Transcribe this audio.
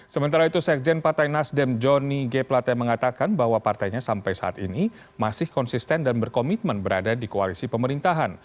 sementara itu sekjen partai nasdem joni g plate mengatakan bahwa partainya sampai saat ini masih konsisten dan berkomitmen berada di koalisi pemerintahan